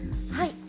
はい。